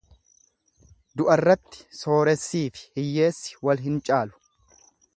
Du'arratti sooressiifi hiyyeessi wal hin caalu.